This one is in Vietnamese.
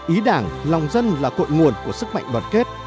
ý đảng lòng dân là cội nguồn của sức mạnh đoàn kết